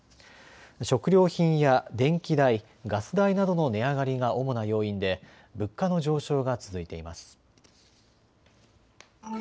食料品や電気代、ガス代などの値上がりが主な要因で物価の上昇が続いています。